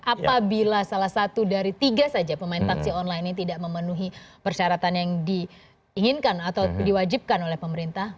apabila salah satu dari tiga saja pemain taksi online ini tidak memenuhi persyaratan yang diinginkan atau diwajibkan oleh pemerintah